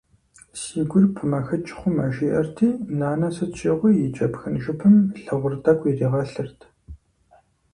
Си гур пымэхыкӏ хъумэ, жиӏэрти, нанэ сыт щыгъуи и кӏэпхын жыпым лыгъур тӏэкӏу иригъэлъырт.